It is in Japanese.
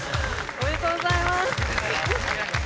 ありがとうございます。